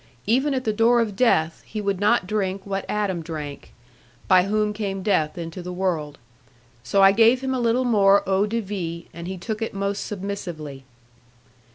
Even at the door of death, he would not drink what Adam drank, by whom came death into the world. So I gave him a little more eau de vie, and he took it most submissively.